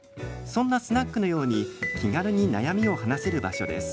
そんなスナックのように気軽に悩みを話せる場所です。